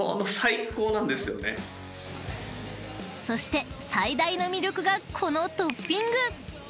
［そして最大の魅力がこのトッピング！］